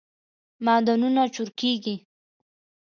معدنونه چورکیږی